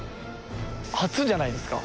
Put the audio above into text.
初じゃないですか？